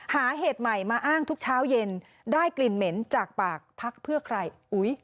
เหตุใหม่มาอ้างทุกเช้าเย็นได้กลิ่นเหม็นจากปากพักเพื่อใคร